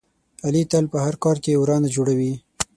علي تل په هر کار کې ورانه جوړوي.